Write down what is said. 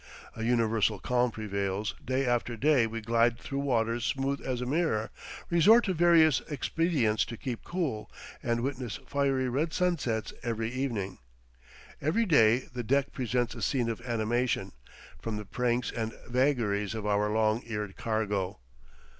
A universal calm prevails; day after day we glide through waters smooth as a mirror, resort to various expedients to keep cool, and witness fiery red sunsets every evening. Every day the deck presents a scene of animation, from the pranks and vagaries of our long eared cargo.